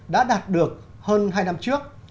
đã đạt được hơn hai năm trước